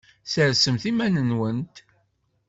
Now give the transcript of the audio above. Ssersemt iman-nwent.